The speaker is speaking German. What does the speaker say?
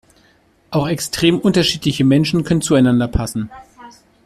Auch extrem unterschiedliche Menschen können zueinander passen.